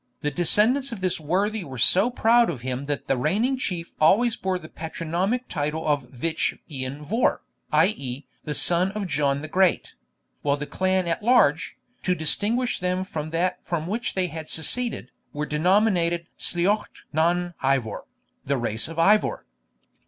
The descendants of this worthy were so proud of him that the reigning chief always bore the patronymic title of Vich Ian Vohr, i.e. the son of John the Great; while the clan at large, to distinguish them from that from which they had seceded, were denominated Sliochd nan Ivor, the race of Ivor.